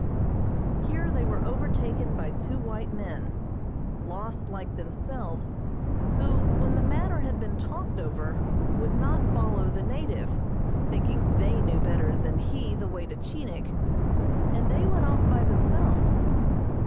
Here they were overtaken by two white men, lost like themselves, who, when the matter had been talked over, would not follow the native, thinking they knew better than he the way to Chinik, and they went off by themselves.